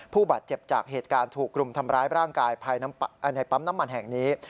ผู้บาดเจ็บจากเหตุการณ์ถูกกลุ่มทำร้ายร่างกายภายในปั๊มน้ำมันแห่งนี้